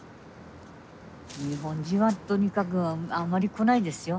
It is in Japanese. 日本人はとにかくあんまり来ないですよ。